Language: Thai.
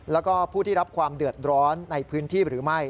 แล้วก็ผู้ที่รับความเดือดร้อนในพื้นที่หรือไม่